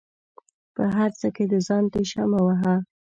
په هر څه کې د ځان تيشه مه وهه